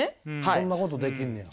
ほうそんなことできんねや。